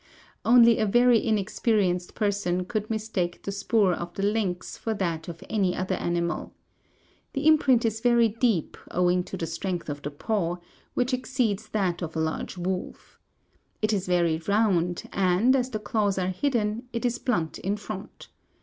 Only a very inexperienced person could mistake the spoor of the lynx for that of any other animal. The imprint is very deep owing to the strength of the paw, which exceeds that of a large wolf. It is very round and, as the claws are hidden, it is blunt in front.